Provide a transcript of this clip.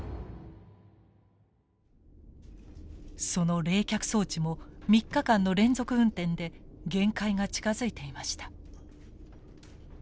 その冷却装置も３日間の連続運転で限界が近づいていました。